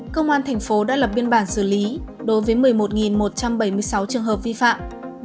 công an tp hcm đã lập biên bản dự lý đối với một mươi một một trăm bảy mươi sáu trường hợp vi phạm